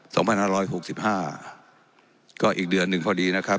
สองพันห้าร้อยหกสิบห้าก็อีกเดือนหนึ่งพอดีนะครับ